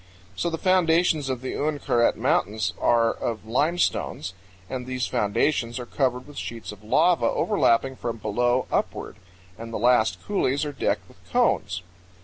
So the foundations of the Uinkaret Mountains are of limestones, and these foundations are covered with sheets of lava overlapping from below upward, and the last coulees are decked with cones.